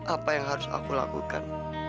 apa yang harus aku lakukan